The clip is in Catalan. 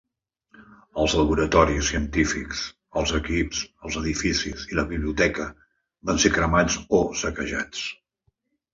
Els laboratoris científics, els equips, els edificis i la biblioteca van ser cremats o saquejats.